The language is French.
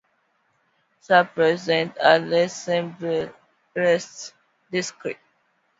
Sa présence à l'Assemblée reste discrète.